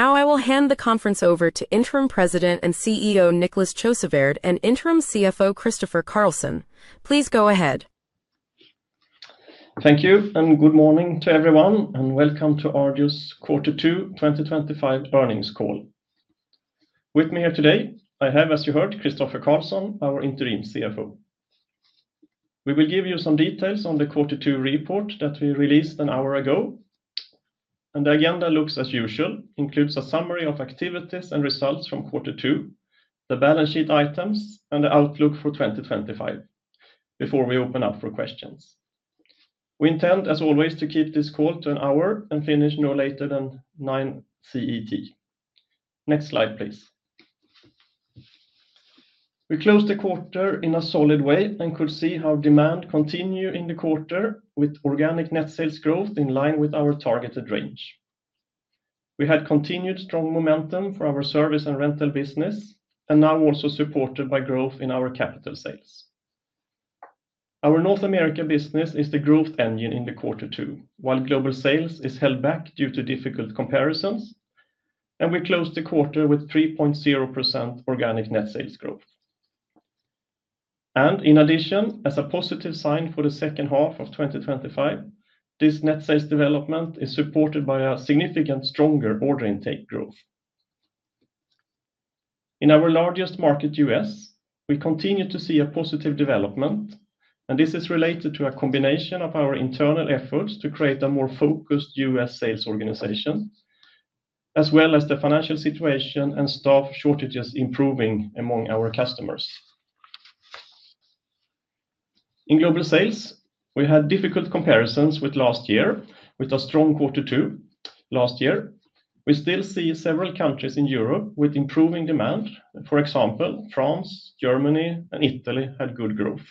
Now I will hand the conference over to Interim President and CEO Niclas Sjöswärd and Interim CFO Christofer Carlsson. Please go ahead. Thank you, and good morning to everyone, and welcome to Arjo AB's Q2 2025 earnings call. With me here today, I have, as you heard, Christofer Carlsson, our Interim CFO. We will give you some details on the Q2 report that we released an hour ago. The agenda looks as usual and includes a summary of activities and results from Q2, the balance sheet items, and the outlook for 2025 before we open up for questions. We intend, as always, to keep this call to an hour and finish no later than 9:00 A.M. CET. Next slide, please. We closed the quarter in a solid way and could see how demand continued in the quarter, with organic net sales growth in line with our targeted range. We had continued strong momentum for our service and rental business, and now also supported by growth in our capital sales. Our North America business is the growth engine in the Q2, while global sales are held back due to difficult comparisons, and we closed the quarter with 3.0% organic net sales growth. In addition, as a positive sign for the second half of 2025, this net sales development is supported by a significantly stronger order intake growth. In our largest market, the U.S., we continue to see a positive development, and this is related to a combination of our internal efforts to create a more focused U.S. sales organization, as well as the financial situation and staff shortages improving among our customers. In global sales, we had difficult comparisons with last year, with a strong Q2. Last year, we still see several countries in Europe with improving demand. For example, France, Germany, and Italy had good growth,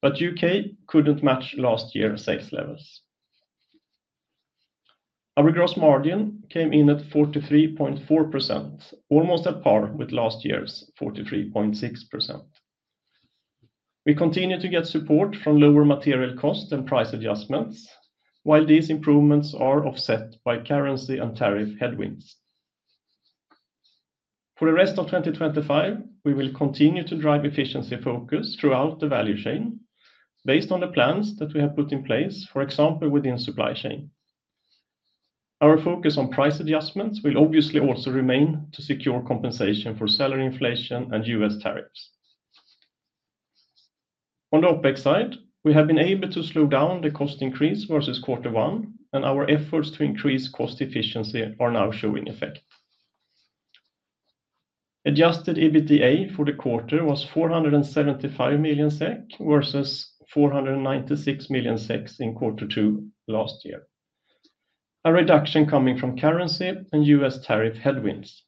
but the United Kingdom couldn't match last year's sales levels. Our gross margin came in at 43.4%, almost at par with last year's 43.6%. We continue to get support from lower material costs and price adjustments, while these improvements are offset by currency and tariff headwinds. For the rest of 2025, we will continue to drive efficiency focus throughout the value chain based on the plans that we have put in place, for example, within the supply chain. Our focus on price adjustments will obviously also remain to secure compensation for salary inflation and U.S. tariffs. On the OpEx side, we have been able to slow down the cost increase versus Q1, and our efforts to increase cost efficiency are now showing effect. Adjusted EBITDA for the quarter was 475 million SEK versus 496 million SEK in Q2 last year, a reduction coming from currency and U.S. tariff headwinds.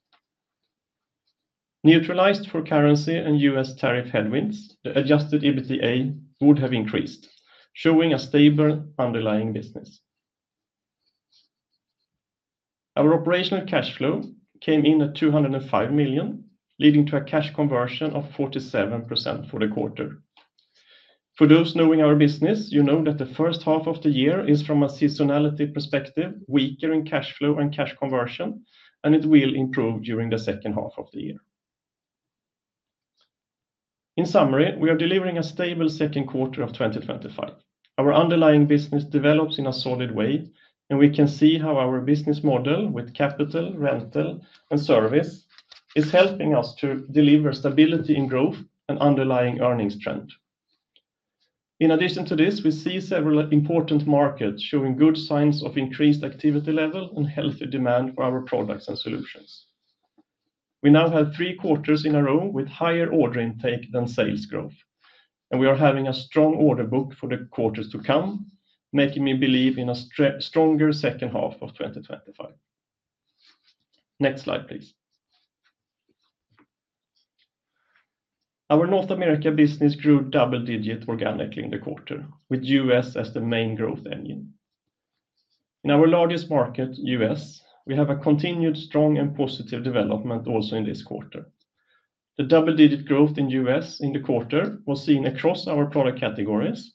Neutralized for currency and U.S. tariff headwinds, the adjusted EBITDA would have increased, showing a stable underlying business. Our operational cash flow came in at 205 million, leading to a cash conversion of 47% for the quarter. For those knowing our business, you know that the first half of the year is, from a seasonality perspective, weaker in cash flow and cash conversion, and it will improve during the second half of the year. In summary, we are delivering a stable second quarter of 2025. Our underlying business develops in a solid way, and we can see how our business model with capital, rental, and service is helping us to deliver stability in growth and underlying earnings trend. In addition to this, we see several important markets showing good signs of increased activity level and healthy demand for our products and solutions. We now have three quarters in a row with higher order intake than sales growth, and we are having a strong order book for the quarters to come, making me believe in a stronger second half of 2025. Next slide, please. Our North America business grew double-digit organically in the quarter, with the U.S. as the main growth engine. In our largest market, the U.S., we have a continued strong and positive development also in this quarter. The double-digit growth in the U.S. in the quarter was seen across our product categories.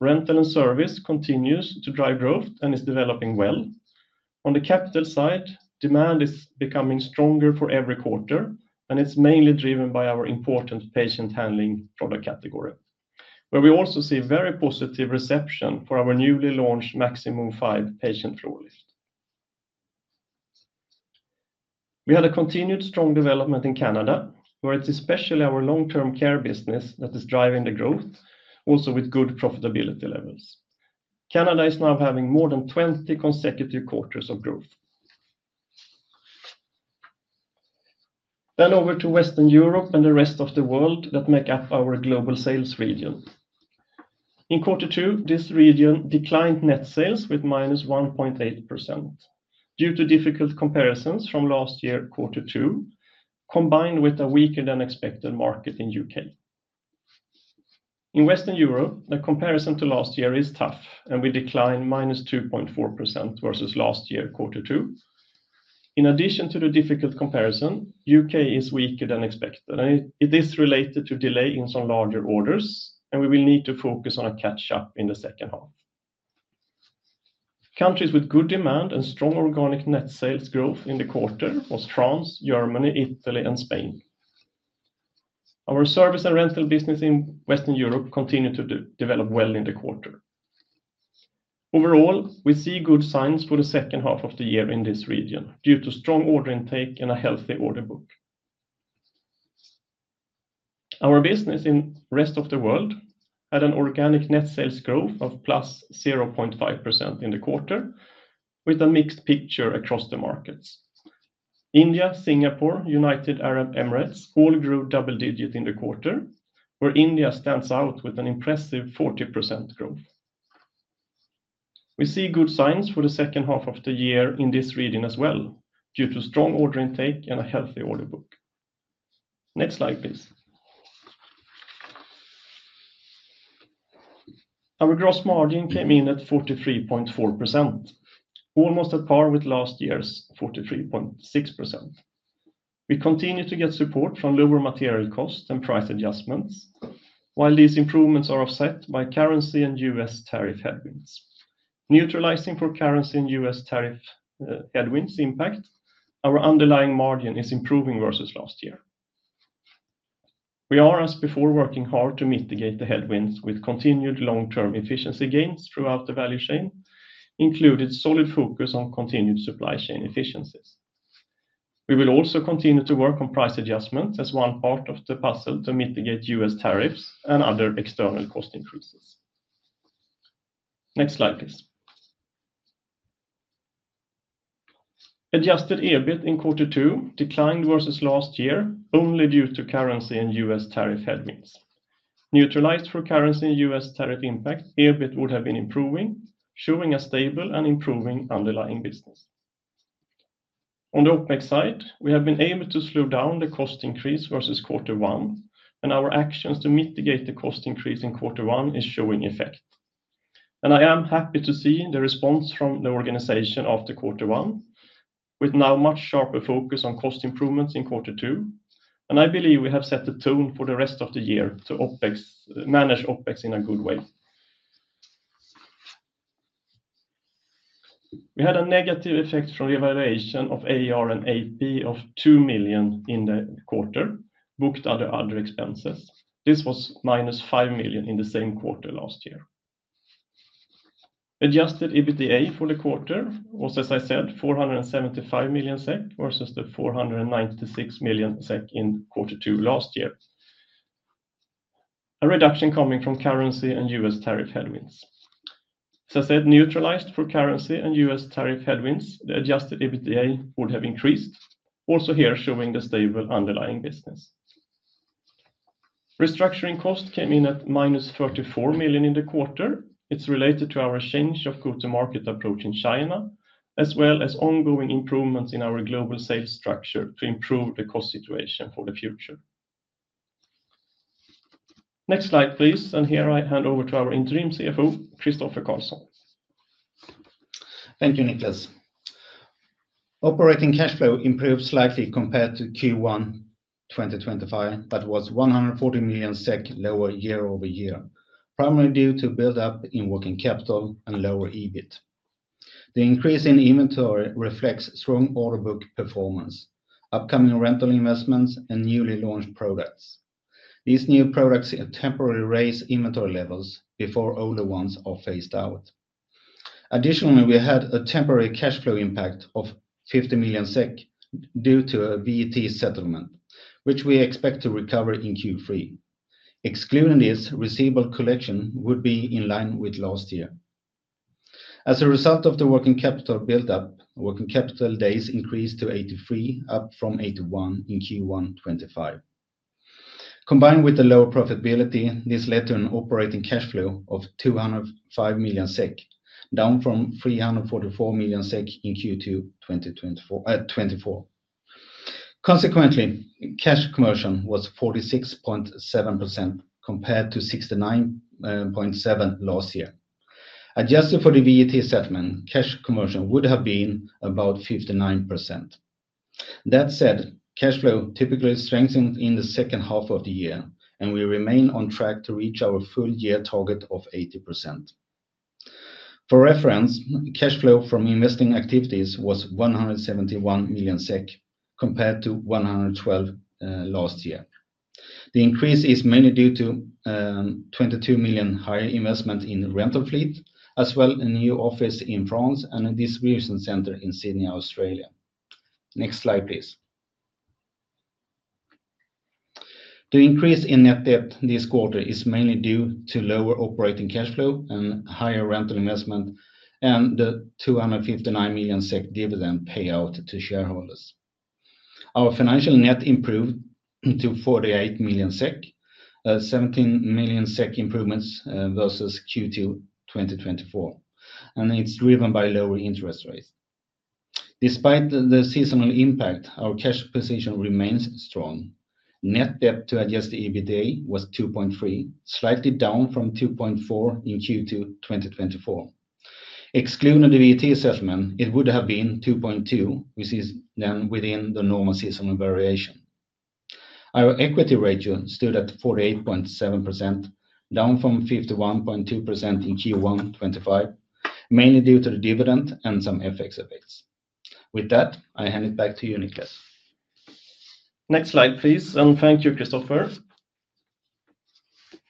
Rental and service continue to drive growth and are developing well. On the capital side, demand is becoming stronger for every quarter, and it's mainly driven by our important patient handling product category, where we also see very positive reception for our newly launched Maxi Move 5 patient floor lift. We had a continued strong development in Canada, where it's especially our long-term care business that is driving the growth, also with good profitability levels. Canada is now having more than 20 consecutive quarters of growth. Over to Western Europe and the rest of the world that make up our global sales region. In Q2, this region declined net sales with -1.8% due to difficult comparisons from last year's Q2, combined with a weaker-than-expected market in the United Kingdom. In Western Europe, the comparison to last year is tough, and we decline -2.4% versus last year's Q2. In addition to the difficult comparison, the United Kingdom is weaker than expected, and it is related to delays on larger orders, and we will need to focus on a catch-up in the second half. Countries with good demand and strong organic net sales growth in the quarter were France, Germany, Italy, and Spain. Our service and rental business in Western Europe continued to develop well in the quarter. Overall, we see good signs for the second half of the year in this region due to strong order intake and a healthy order book. Our business in the rest of the world had an organic net sales growth of +0.5% in the quarter, with a mixed picture across the markets. India, Singapore, and the United Arab Emirates all grew double-digit in the quarter, where India stands out with an impressive 40% growth. We see good signs for the second half of the year in this region as well due to strong order intake and a healthy order book. Next slide, please. Our gross margin came in at 43.4%, almost at par with last year's 43.6%. We continue to get support from lower material costs and price adjustments, while these improvements are offset by currency and U.S. tariff headwinds. Neutralizing for currency and U.S. tariff headwinds' impact, our underlying margin is improving versus last year. We are, as before, working hard to mitigate the headwinds with continued long-term efficiency gains throughout the value chain, including solid focus on continued supply chain efficiencies. We will also continue to work on price adjustments as one part of the puzzle to mitigate U.S. tariffs and other external cost increases. Next slide, please. Adjusted EBIT in Q2 declined versus last year only due to currency and U.S. tariff headwinds. Neutralized for currency and U.S. tariff impact, EBIT would have been improving, showing a stable and improving underlying business. On the OpEx side, we have been able to slow down the cost increase versus Q1, and our actions to mitigate the cost increase in Q1 are showing effect. I am happy to see the response from the organization after Q1, with now a much sharper focus on cost improvements in Q2, and I believe we have set the tone for the rest of the year to manage OpEx in a good way. We had a negative effect from the evaluation of AR and AP of 2 million in the quarter, booked under other expenses. This was -5 million in the same quarter last year. Adjusted EBITDA for the quarter was, as I said, 475 million SEK versus the 496 million SEK in Q2 last year, a reduction coming from currency and U.S. tariff headwinds. As I said, neutralized for currency and U.S. tariff headwinds, the adjusted EBITDA would have increased, also here showing the stable underlying business. Restructuring costs came in at -34 million in the quarter. It's related to our change of go-to-market approach in China, as well as ongoing improvements in our global sales structure to improve the cost situation for the future. Next slide, please. Here I hand over to our Interim CFO, Christofer Carlsson. Thank you, Niclas. Operating cash flow improved slightly compared to Q1 2025, but was 140 million SEK lower year-over-year, primarily due to buildup in working capital and lower EBIT. The increase in inventory reflects strong order book performance, upcoming rental investments, and newly launched products. These new products temporarily raise inventory levels before older ones are phased out. Additionally, we had a temporary cash flow impact of 50 million SEK due to a VAT settlement, which we expect to recover in Q3. Excluding this, receivable collection would be in line with last year. As a result of the working capital buildup, working capital days increased to 83, up from 81 in Q1 2025. Combined with the lower profitability, this led to an operating cash flow of 205 million SEK, down from 344 million SEK in Q2 2024. Consequently, cash conversion was 46.7% compared to 69.7% last year. Adjusted for the VAT settlement, cash conversion would have been about 59%. That said, cash flow typically strengthens in the second half of the year, and we remain on track to reach our full-year target of 80%. For reference, cash flow from investing activities was 171 million SEK compared to 112 million last year. The increase is mainly due to 22 million higher investment in the rental fleet, as well as a new office in France and a distribution center in Sydney, Australia. Next slide, please. The increase in net debt this quarter is mainly due to lower operating cash flow and higher rental investment and the 259 million SEK dividend payout to shareholders. Our financial net improved to 48 million SEK, 17 million SEK improvement versus Q2 2024, and it's driven by lower interest rates. Despite the seasonal impact, our cash position remains strong. Net debt to adjusted EBITDA was 2.3, slightly down from 2.4 in Q2 2024. Excluding the VAT settlement, it would have been 2.2, which is then within the normal seasonal variation. Our equity ratio stood at 48.7%, down from 51.2% in Q1 2025, mainly due to the dividend and some FX effects. With that, I hand it back to you, Niclas. Next slide, please. Thank you, Christofer.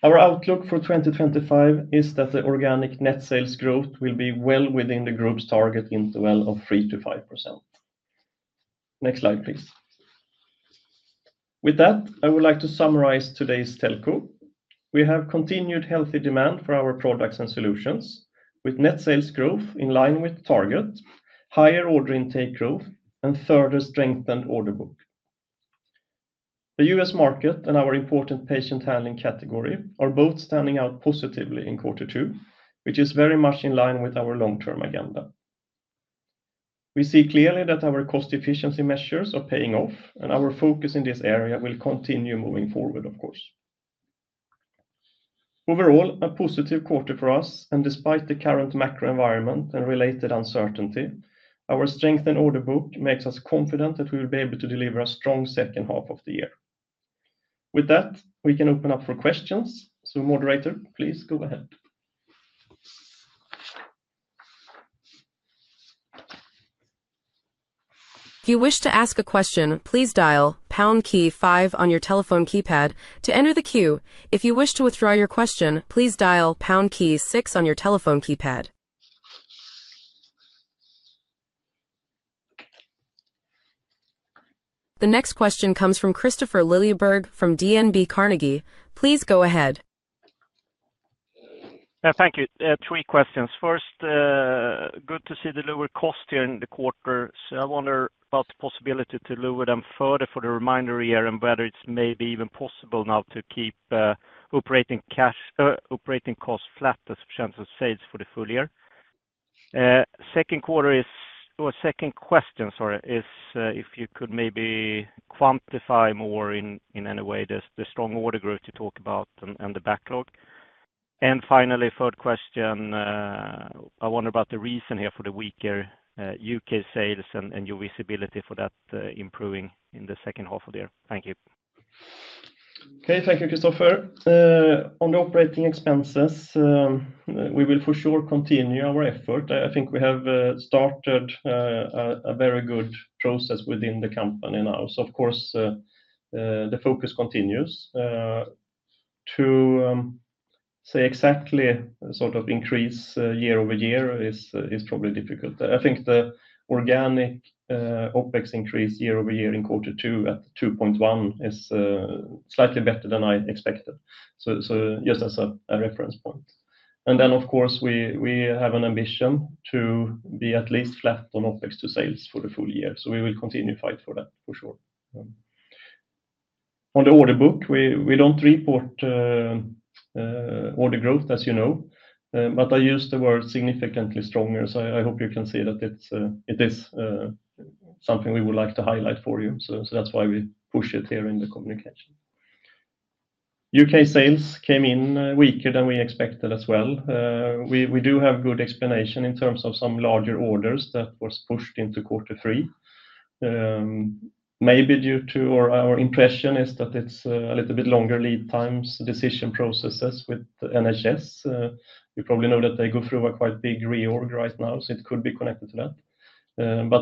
Our outlook for 2025 is that the organic net sales growth will be well within the group's target interval of 3% to 5%. Next slide, please. With that, I would like to summarize today's telco. We have continued healthy demand for our products and solutions, with net sales growth in line with target, higher order intake growth, and further strengthened order book. The U.S. market and our important patient handling category are both standing out positively in Q2, which is very much in line with our long-term agenda. We see clearly that our cost efficiency measures are paying off, and our focus in this area will continue moving forward, of course. Overall, a positive quarter for us, and despite the current macro environment and related uncertainty, our strengthened order book makes us confident that we will be able to deliver a strong second half of the year. With that, we can open up for questions. Moderator, please go ahead. If you wish to ask a question, please dial pound key 5 on your telephone keypad to enter the queue. If you wish to withdraw your question, please dial pound key 6 on your telephone keypad. The next question comes from Christopher Lilleberg from DNB Carnegie. Please go ahead. Thank you. Three questions. First, good to see the lower costs here in the quarter, so I wonder about the possibility to lower them further for the remainder of the year and whether it's maybe even possible now to keep operating costs flat as % of sales for the full year. Second question is if you could maybe quantify more in any way the strong order growth you talk about and the backlog. Finally, third question, I wonder about the reason here for the weaker UK sales and your visibility for that improving in the second half of the year. Thank you. Okay, thank you, Christofer. On the operating expenses, we will for sure continue our effort. I think we have started a very good process within the company now. Of course, the focus continues. To say exactly the sort of increase year-over-year is probably difficult. I think the organic OpEx increase year-over-year in Q2 at 2.1% is slightly better than I expected, just as a reference point. We have an ambition to be at least flat on OpEx to sales for the full year. We will continue to fight for that for sure. On the order book, we don't report order growth, as you know, but I used the word significantly stronger. I hope you can see that it is something we would like to highlight for you, which is why we push it here in the communication. UK sales came in weaker than we expected as well. We do have a good explanation in terms of some larger orders that were pushed into Q3, maybe due to our impression that it's a little bit longer lead times and decision processes with the NHS. You probably know that they go through a quite big reorg right now, so it could be connected to that.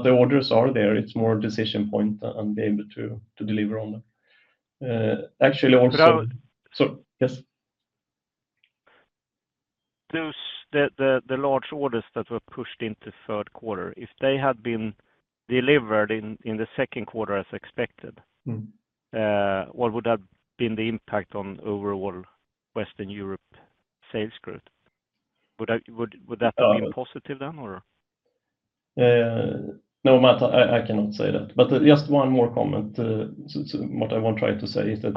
The orders are there. It's more a decision point than being able to deliver on them. Actually, also... The large orders that were pushed into the third quarter, if they had been delivered in the second quarter as expected, what would have been the impact on overall Western Europe sales growth? Would that have been positive then, or... No, I cannot say that. Just one more comment. What I want to try to say is that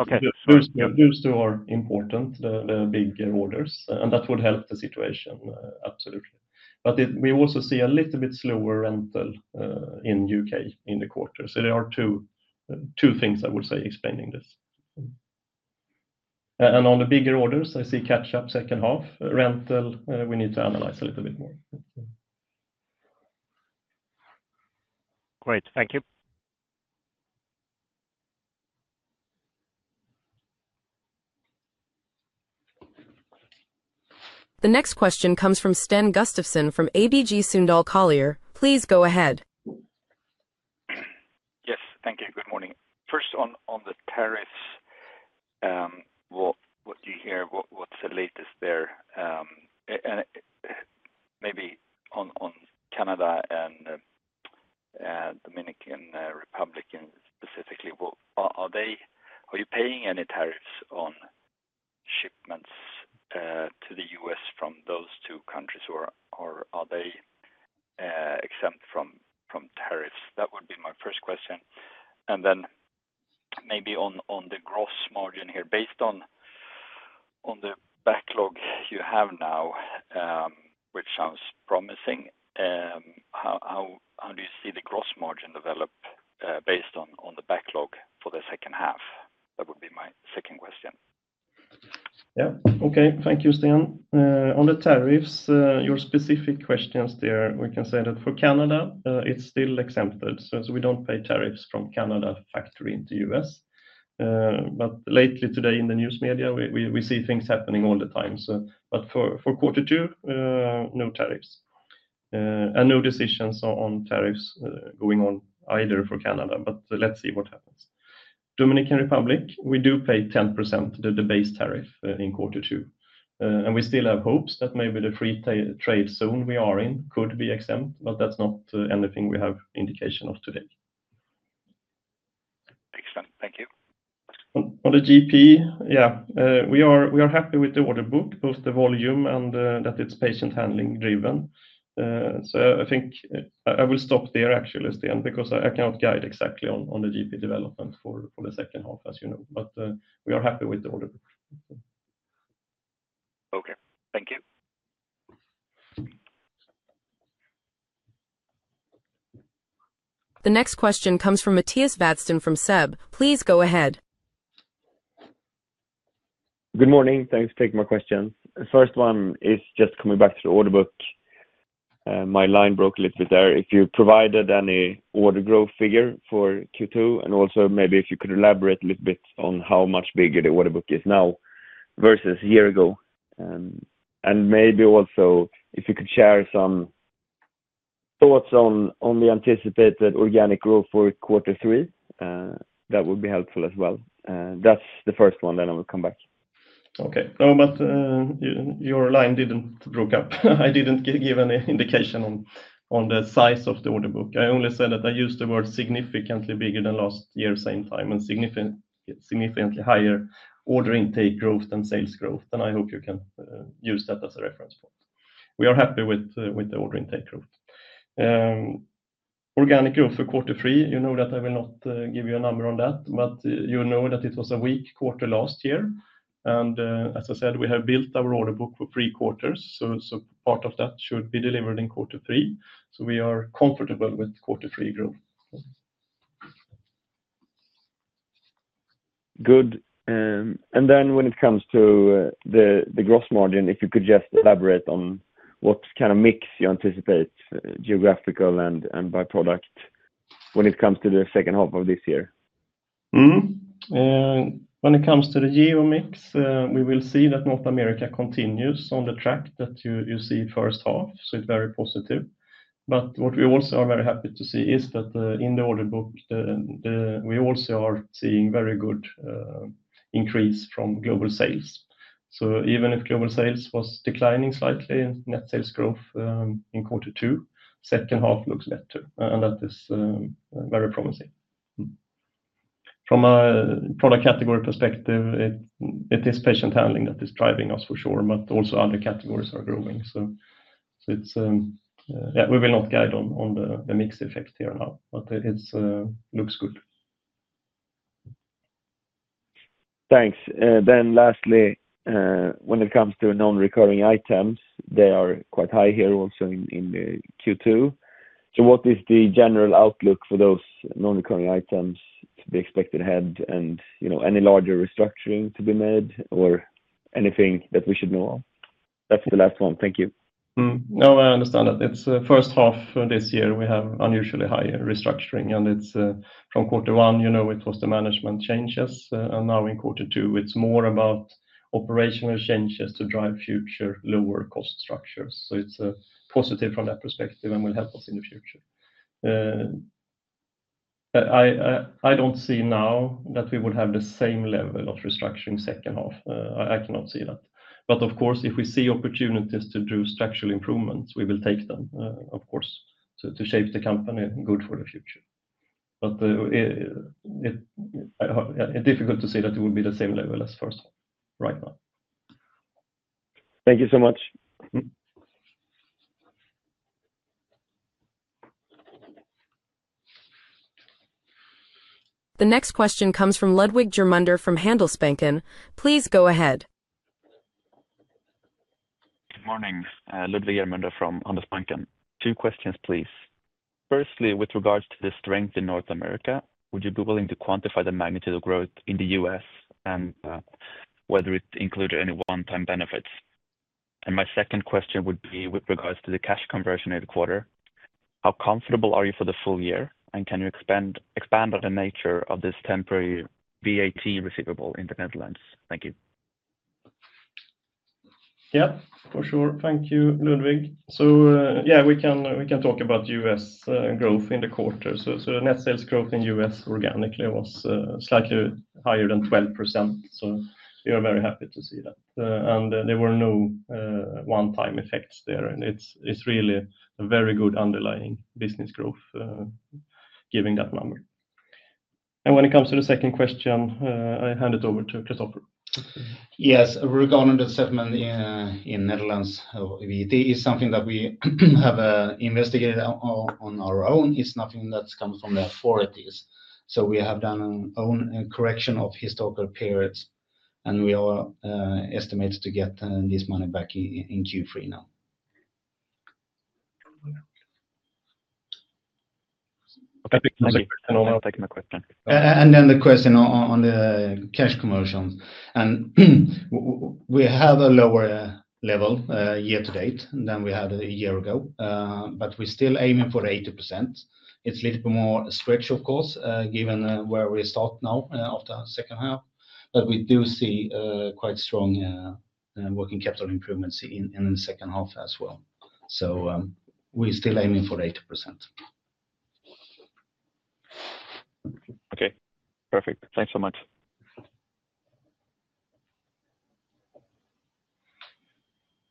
those two are important, the bigger orders, and that would help the situation, absolutely. We also see a little bit slower rental in the UK in the quarter. There are two things I would say explaining this. On the bigger orders, I see catch-up second half. Rental, we need to analyze a little bit more. Great, thank you. The next question comes from Stan Gustafson from ABG Sundal Collier. Please go ahead. Yes, thank you. Good morning. First, on the tariffs, what do you hear? What's the latest there? Maybe on Canada and the Dominican Republic specifically, are you paying any tariffs on shipments to the U.S. from those two countries, or are they exempt from tariffs? That would be my first question. Maybe on the gross margin here, based on the backlog you have now, which sounds promising, how do you see the gross margin develop based on the backlog for the second half? That would be my second question. Yeah, okay. Thank you, Stan. On the tariffs, your specific questions there, we can say that for Canada, it's still exempted. We don't pay tariffs from Canada factoring into the U.S. Lately today in the news media, we see things happening all the time. For Q2, no tariffs and no decisions on tariffs going on either for Canada. Let's see what happens. Dominican Republic, we do pay 10% of the base tariff in Q2. We still have hopes that maybe the free trade zone we are in could be exempt, but that's not anything we have indication of today. Excellent, thank you. On the gross margin, yeah, we are happy with the order book post the volume and that it's patient handling driven. I think I will stop there, actually, Stan, because I cannot guide exactly on the gross margin development for the second half, as you know. We are happy with the order book. Okay, thank you. The next question comes from Mattias Vadsten from SEB. Please go ahead. Good morning. Thanks for taking my question. The first one is just coming back to the order book. My line broke a little bit there. If you provided any order growth figure for Q2, and also maybe if you could elaborate a little bit on how much bigger the order book is now versus a year ago. If you could share some thoughts on the anticipated organic growth for Q3, that would be helpful as well. That's the first one, I will come back. Okay. No, your line didn't break up. I didn't give any indication on the size of the order book. I only said that I used the word significantly bigger than last year, same time, and significantly higher order intake growth than sales growth. I hope you can use that as a reference point. We are happy with the order intake growth. Organic growth for Q3, you know that I will not give you a number on that, but you know that it was a weak quarter last year. As I said, we have built our order book for three quarters, so part of that should be delivered in Q3. We are comfortable with Q3 growth. Good. If you could just elaborate on what kind of mix you anticipate, geographical and by product, when it comes to the gross margin in the second half of this year. When it comes to the geo mix, we will see that North America continues on the track that you see first half, so it's very positive. What we also are very happy to see is that in the order book, we also are seeing a very good increase from global sales. Even if global sales was declining slightly in net sales growth in Q2, second half looks better, and that is very promising. From a product category perspective, it is patient handling that is driving us for sure, but also other categories are growing. We will not guide on the mixed effect here now, but it looks good. Thanks. Lastly, when it comes to non-recurring items, they are quite high here also in Q2. What is the general outlook for those non-recurring items to be expected ahead, and any larger restructuring to be made or anything that we should know of? That's the last one. Thank you. No, I understand that. It's the first half of this year we have unusually high restructuring, and it's from Q1, you know it was the management changes, and now in Q2, it's more about operational changes to drive future lower cost structures. It's positive from that perspective and will help us in the future. I don't see now that we would have the same level of restructuring second half. I cannot see that. Of course, if we see opportunities to do structural improvements, we will take them, of course, to shape the company good for the future. It's difficult to say that it would be the same level as first half right now. Thank you so much. The next question comes from Ludwig Germunder from Handelsbanken. Please go ahead. Good morning. Ludwig Germander from Handelsbanken. Two questions, please. Firstly, with regards to the strength in North America, would you be willing to quantify the magnitude of growth in the US and whether it included any one-time benefits? My second question would be with regards to the cash conversion in the quarter. How comfortable are you for the full year and can you expand on the nature of this temporary VAT receivable in the Netherlands? Thank you. Thank you, Ludwig. We can talk about U.S. growth in the quarter. The net sales growth in the U.S. organically was slightly higher than 12%. We are very happy to see that. There were no one-time effects there, and it's really a very good underlying business growth given that number. When it comes to the second question, I hand it over to Christofer. Yes, a recurrent settlement in the Netherlands VAT is something that we have investigated on our own. It's nothing that comes from the authorities. We have done our own correction of historical periods, and we are estimated to get this money back in Q3 now. Thank you, Mr. Germander. I'll take my question. The question on the cash conversion. We have a lower level year to date than we had a year ago, but we're still aiming for 80%. It's a little bit more stretch, of course, given where we start now after the second half. We do see quite strong working capital improvements in the second half as well. We're still aiming for 80%. Okay, perfect. Thanks so much.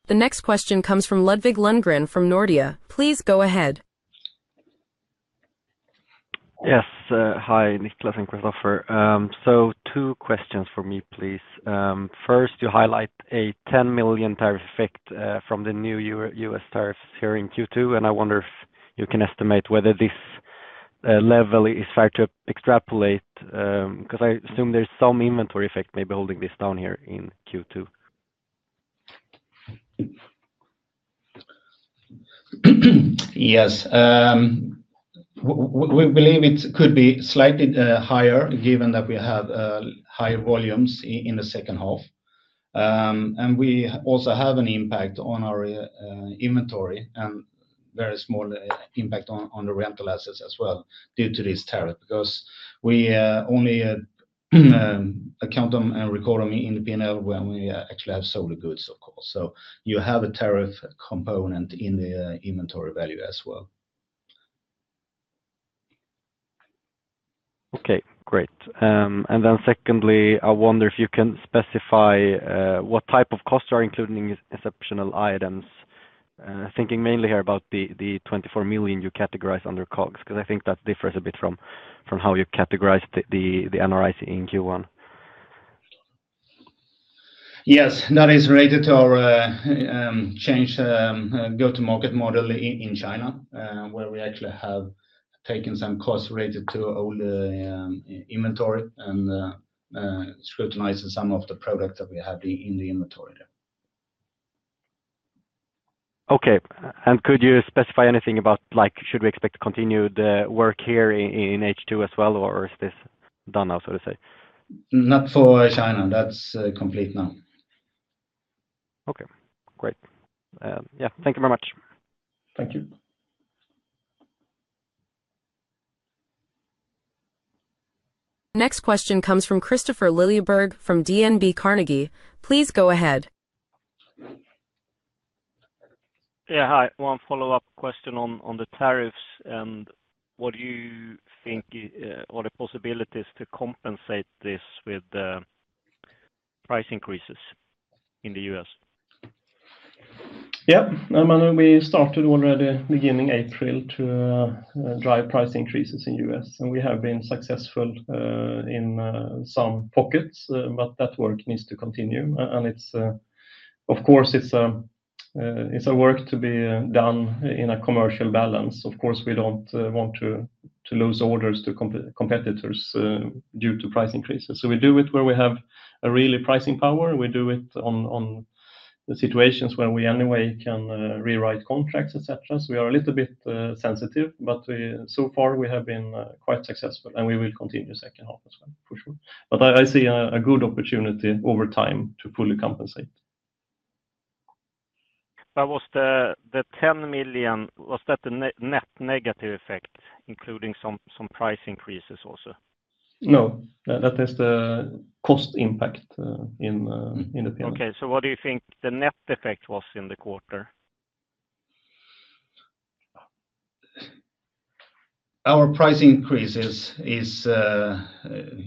The next question comes from Ludvig Lundgren from Nordea. Please go ahead. Yes, hi, Niclas and Christofer. Two questions for me, please. First, you highlight a $10 million tariff effect from the new U.S. tariffs here in Q2, and I wonder if you can estimate whether this level is fair to extrapolate because I assume there's some inventory effect maybe holding this down here in Q2. Yes, we believe it could be slightly higher given that we have higher volumes in the second half. We also have an impact on our inventory and a very small impact on the rental assets as well due to this tariff because we only account them and record them in the P&L when we actually have solely goods, of course. You have a tariff component in the inventory value as well. Okay, great. Secondly, I wonder if you can specify what type of costs are included in exceptional items, thinking mainly here about the $24 million you categorize under COGS because I think that differs a bit from how you categorize the NRIC in Q1. Yes, that is related to our changed go-to-market model in China, where we actually have taken some costs related to all the inventory and scrutinizing some of the products that we have in the inventory there. Okay, could you specify anything about, like, should we expect to continue the work here in H2 as well, or is this done now, so to say? Not for China. That's complete now. Okay, great. Thank you very much. Thank you. Next question comes from Christopher Lilleberg from DNB Carnegie. Please go ahead. Yeah, hi. One follow-up question on the tariffs, and what do you think are the possibilities to compensate this with price increases in the U.S.? Yeah, I mean, we started already beginning April to drive price increases in the U.S., and we have been successful in some pockets, but that work needs to continue. It is, of course, a work to be done in a commercial balance. Of course, we don't want to lose orders to competitors due to price increases. We do it where we have real pricing power. We do it in situations where we can rewrite contracts, etc. We are a little bit sensitive, but so far we have been quite successful, and we will continue second half as well, for sure. I see a good opportunity over time to fully compensate. That was the $10 million. Was that the net negative effect, including some price increases also? No, that is the cost impact in the P&L. Okay, what do you think the net effect was in the quarter? Our price increases is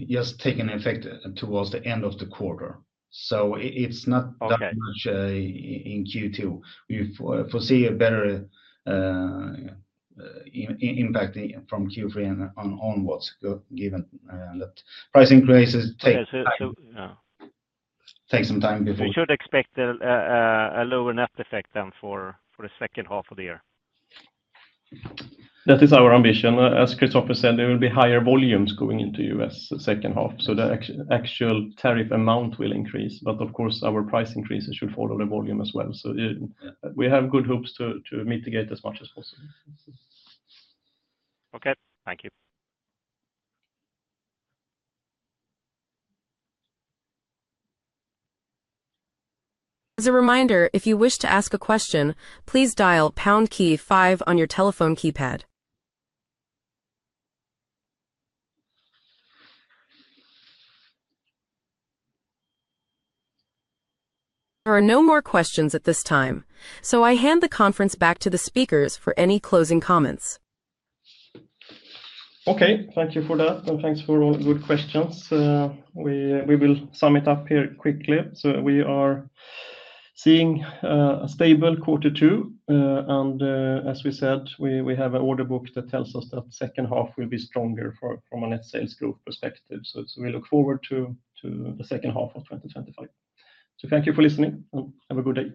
just taking effect towards the end of the quarter. It's not that much in Q2. We foresee a better impact from Q3 onwards, given that price increases take some time before. We should expect a lower net effect then for the second half of the year. That is our ambition. As Christofer said, there will be higher volumes going into the U.S. second half. The actual tariff amount will increase, but of course, our price increases should follow the volume as well. We have good hopes to mitigate as much as possible. Okay, thank you. As a reminder, if you wish to ask a question, please dial pound key 5 on your telephone keypad. There are no more questions at this time. I hand the conference back to the speakers for any closing comments. Okay, thank you for that, and thanks for all the good questions. We will sum it up here quickly. We are seeing a stable Q2, and as we said, we have an order book that tells us that the second half will be stronger from a net sales growth perspective. We look forward to the second half of 2025. Thank you for listening, and have a good day.